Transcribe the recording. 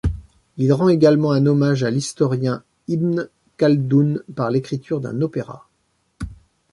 Il rend également un hommage à l'historien Ibn Khaldoun par l'écriture d'un opéra.